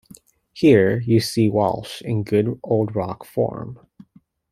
Here, you see Walsh in good old rock form...